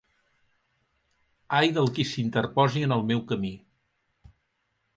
Ai del qui s'interposi en el meu camí!